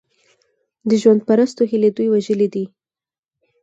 د ژوند پرستو هیلې دوی وژلي دي.